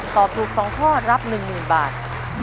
ตอบถูก๒ข้อรับ๑๐๐๐บาท